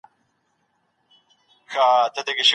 تل په خپلو خبرو کي صادق اوسه.